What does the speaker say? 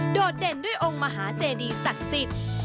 โดดเด่นด้วยองค์มหาเจดีศักดิ์สิทธิ์